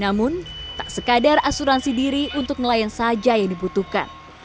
namun tak sekadar asuransi diri untuk nelayan saja yang dibutuhkan